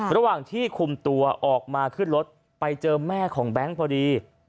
ระหว่างที่คุมตัวออกมาขึ้นรถไปเจอแม่ของแบงค์พอดี